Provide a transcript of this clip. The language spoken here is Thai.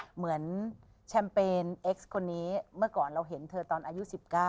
เหมือนแชมเปญเอ็กซ์คนนี้เมื่อก่อนเราเห็นเธอตอนอายุ๑๙